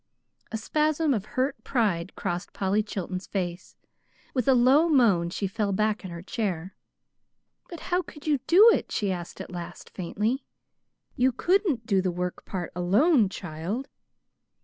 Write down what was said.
A spasm of hurt pride crossed Polly Chilton's face. With a low moan she fell back in her chair. "But how could you do it?" she asked at last, faintly. "You couldn't do the work part alone, child!"